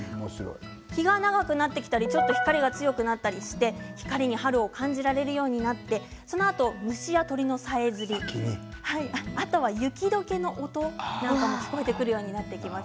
日が長くなってきたり光がちょっと強くなったりして光に春を感じられるようになってそのあと、虫や鳥のさえずりまた雪どけの音などが聞こえるようになります。